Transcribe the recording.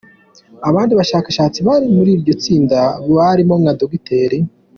Abandi bashakashatsi bari muri iryo tsinda, barimo nka Dr.